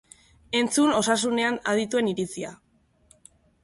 Entzun osasunean adituen iritzia!